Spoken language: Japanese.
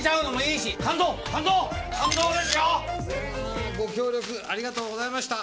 いやご協力ありがとうございました。